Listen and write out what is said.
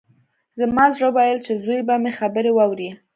زما زړه ويل چې زوی به مې خبرې واوري.